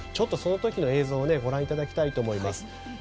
その時の映像をご覧いただきたいと思います。